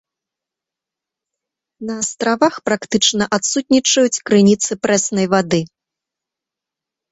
На астравах практычна адсутнічаюць крыніцы прэснай вады.